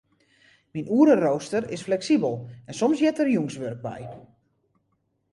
Myn oereroaster is fleksibel en soms heart der jûnswurk by.